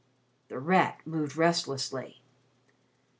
The Rat moved restlessly.